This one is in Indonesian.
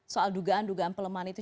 soal dugaan dugaan pelemahan itu